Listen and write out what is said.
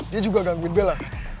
dia juga gangguin bella